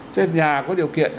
trên nhà có điều kiện